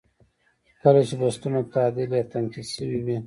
کله چې بستونه تعدیل یا تنقیض شوي وي.